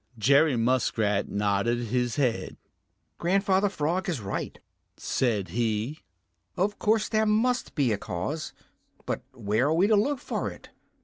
Jerry Muskrat nodded his head. "Grandfather Frog is right," said he. "Of course there must be a cause, but where are we to look for it?